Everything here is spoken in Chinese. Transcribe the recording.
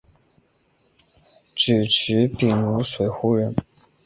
沮渠秉卢水胡人。